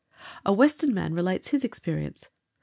A Western man relates his experience.